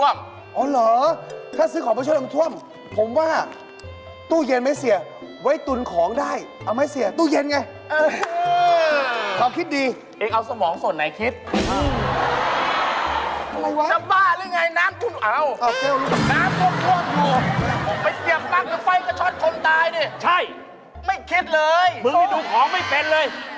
มึงแน่นอนดูของไม่เป็นเลย